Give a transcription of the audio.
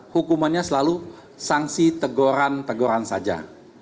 hukumannya selalu sanksi teguran teguran saja